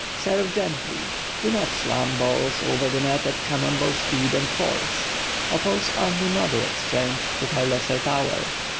Serve gently. Do not slam balls over the net at cannonball speed and force. Oppose only moderate strength to her lesser power.